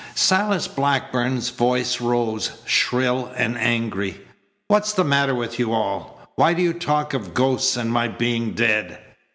Silas Blackburn's voice rose, shrill and angry: "What's the matter with you all? Why do you talk of ghosts and my being dead?